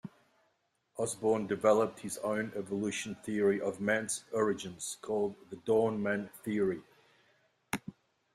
Osborn developed his own evolution theory of man's origins called the "Dawn Man Theory".